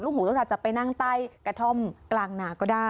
หูต้องการจะไปนั่งใต้กระท่อมกลางหนาก็ได้